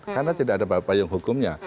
karena tidak ada payung hukumnya